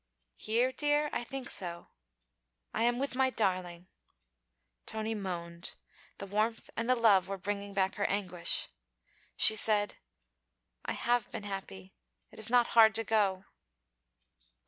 'Here, dear? I think so. I am with my darling.' Tony moaned. The warmth and the love were bringing back her anguish. She said: 'I have been happy. It is not hard to go.'